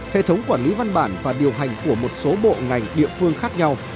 hệ thống quản lý văn bản và điều hành của một số bộ ngành địa phương khác nhau